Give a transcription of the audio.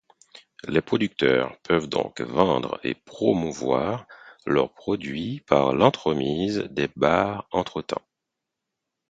Les producteurs peuvent donc vendre et promouvoir leur produit par l’entremise des bars entre-temps.